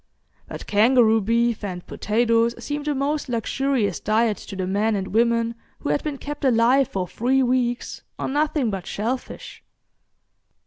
But kangaroo beef and potatoes seemed a most luxurious diet to the men and women who had been kept alive for three weeks on nothing but shellfish.